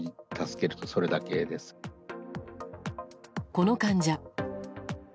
この患者。